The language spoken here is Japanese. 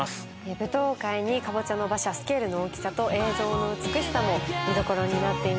舞踏会にカボチャの馬車スケールの大きさと映像の美しさも見どころになっています。